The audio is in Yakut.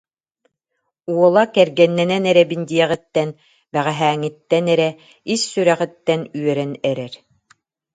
Уола кэргэннэнэн эрэбин диэҕиттэн бэҕэһээҥҥиттэн эрэ ис сүрэҕиттэн үөрэн эрэр